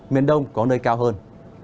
miền đông có nơi cao hơn